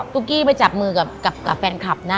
กี้ไปจับมือกับแฟนคลับนะ